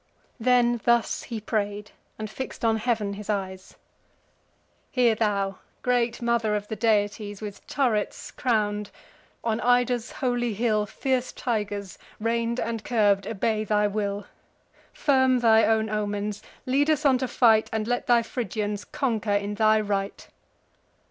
Then thus he pray'd, and fix'd on heav'n his eyes: "Hear thou, great Mother of the deities. With turrets crown'd! (on Ida's holy hill Fierce tigers, rein'd and curb'd, obey thy will.) Firm thy own omens; lead us on to fight; And let thy Phrygians conquer in thy right."